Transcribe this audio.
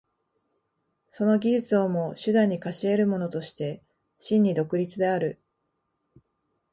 その技術をも手段に化し得るものとして真に独立である。